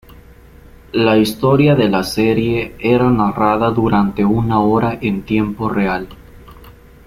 La historia de la serie era narrada durante una hora en tiempo real.